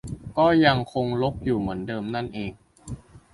ก็ยังคงรกอยู่เหมือนเดิมนั่นเอง